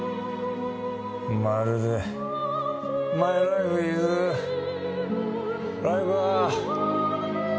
まるでマイライフイズライクア。